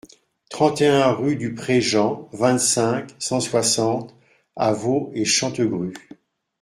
trente et un rue du Pré Jean, vingt-cinq, cent soixante à Vaux-et-Chantegrue